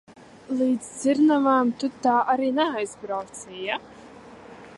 Līdz dzirnavām tu tā arī neaizbrauci, ja?